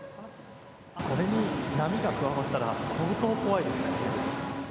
これに波が加わったら相当怖いですね。